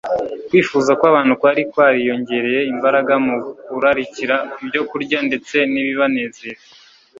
kwifuza kw'abantu kwari kwariyongereye imbaraga mu kurarikira ibyokurya ndetse n'ibibanezeza